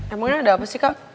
emang ini ada apa sih kak